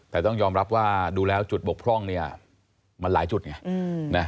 แต่ต้องยอมรับว่าดูแล้วจุดบกพร่องเนี่ยมันหลายจุดไง